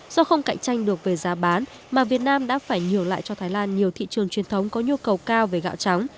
do không cạnh tranh được về giá bán mà việt nam đã phải nhường lại cho thái lan nhiều thị trường truyền thống có nhu cầu cao về gạo trắng